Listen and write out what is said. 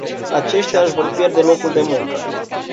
Aceștia își vor pierde locul de muncă.